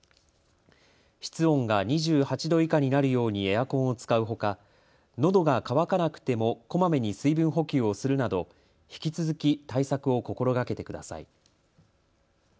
室温が２８度以下になるようにエアコンを使うほか、のどが渇かなくてもこまめに水分補給をするなど引き続き対策を心がけてください。